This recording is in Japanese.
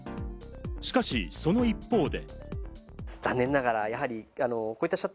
しかし、その一方で。